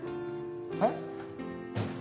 えっ？